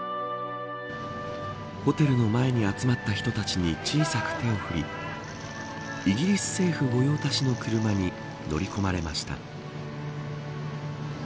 ホテルの前に集まった人たちに小さく手を振りイギリス政府御用達の車に乗り込まれました。